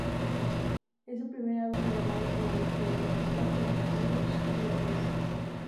Es su primer álbum grabado con la discográfica "Photo Finish Records".